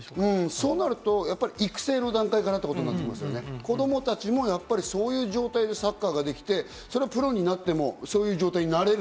そうなると育成の段階から、子ども達もそういう状態でサッカーができて、プロになっても、そういう状態になれる。